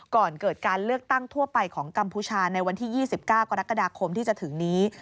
ก่อนเกิดการเลือกตั้งทั่วไปของกัมพูชาในวันที่๒๙กรกฎาคมที่จะถึงนี้